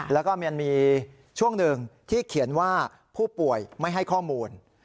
แล้วก็มันมีช่วงหนึ่งที่เขียนว่าผู้ป่วยไม่ให้ข้อมูล